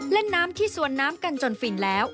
เล่นน้ำที่สวนน้ำกันจนฟินแล้ว